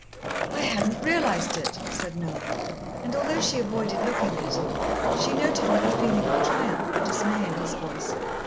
"I hadn't realized it," said Noel, and although she avoided looking at him, she noted with a feeling of triumph the dismay in his voice.